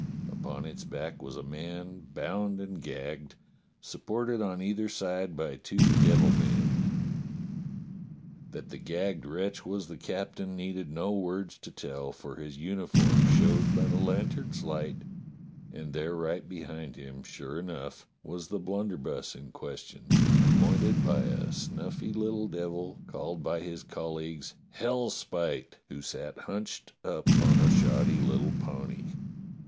Upon its back was a man bound and gagged, supported on either side by two devil men. That the gagged wretch was the captain needed no words to tell, for his uniform showed by the lantern's light, and there right behind him, sure enough, was the blunderbuss in question, pointed by a snuffy little devil called by his colleagues Hellspite, who sat hunched up on a shoddy little pony.